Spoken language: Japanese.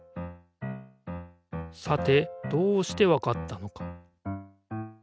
さてどうしてわかったのか？